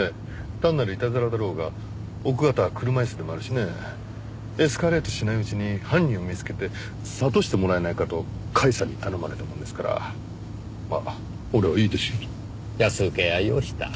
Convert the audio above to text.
「単なるいたずらだろうが奥方は車椅子でもあるしねエスカレートしないうちに犯人を見つけて諭してもらえないか」と甲斐さんに頼まれたもんですからまあ俺は「いいですよ」と。安請け合いをした。